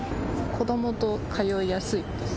子どもと通いやすいです。